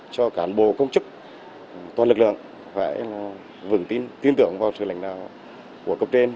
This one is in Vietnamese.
cho cán bộ công chức toàn lực lượng phải vững tin tưởng vào sự lãnh đạo của cộng đồng